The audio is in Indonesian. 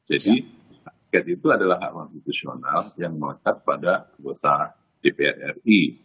jadi hak angket itu adalah hak konstitusional yang melekat pada kegota dpr ri